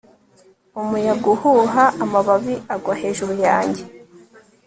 umuyaga uhuha amababi agwa hejuru yanjye